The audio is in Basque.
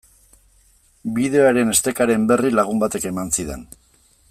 Bideoaren estekaren berri lagun batek eman zidan.